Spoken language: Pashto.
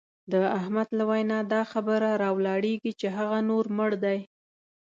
د احمد له وینا دا خبره را ولاړېږي چې هغه نور مړ دی.